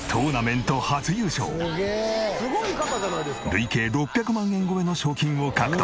累計６００万円超えの賞金を獲得。